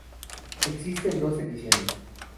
Existen dos ediciones.